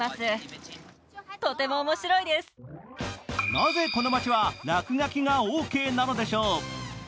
なぜ、この街は落書きがオーケーなのでしょう？